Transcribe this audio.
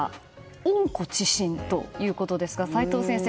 温故知新ということですが齋藤先生